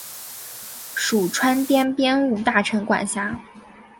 属川滇边务大臣管辖。